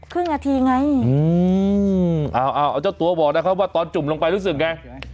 เมื่องอาทีไงอ๋าเอาจ้างตัวบอกนะคะว่าตอนจุ่มลงไปรู้สึกไง